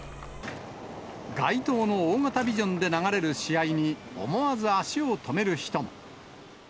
街頭の大型ビジョンで流れる試合に、思わず足を止める人も。